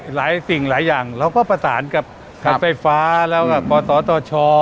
หลายสิ่งหลายอย่างเราก็ประสานกับครับไฟฟ้าแล้วกับก่อต่อต่อช่อ